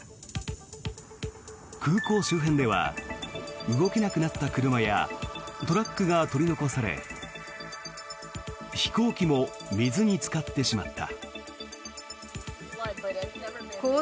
空港周辺では動けなくなった車やトラックが取り残され飛行機も水につかってしまった。